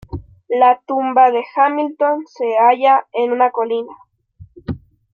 La tumba de Hamilton se halla en una colina.